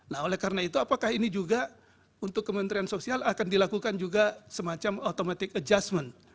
nah oleh karena itu apakah ini juga untuk kementerian sosial akan dilakukan juga semacam automatic adjustment